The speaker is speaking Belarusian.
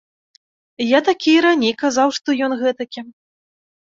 Я такі і раней казаў, што ён гэтакі.